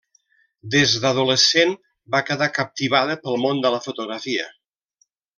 Des d'adolescent va quedar captivada pel món de la fotografia.